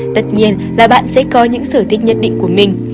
tất nhiên là bạn sẽ có những sở thích nhất định của mình